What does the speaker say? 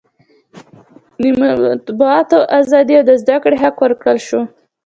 د مطبوعاتو ازادي او د زده کړې حق ورکړل شو.